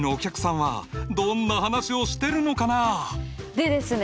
でですね